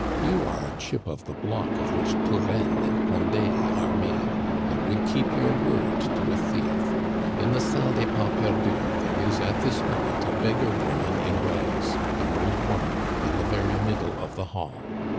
You are a chip of the block of which Turennes and Condes are made, and would keep your word to a thief. In the Salle des Pas Perdus there is at this moment a beggar woman in rags, an old woman, in the very middle of the hall.